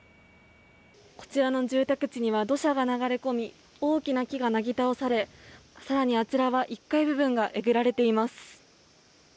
こちらの住宅地には土砂が流れ込み大きな木がなぎ倒され更にあちらは１階部分がえぐられています。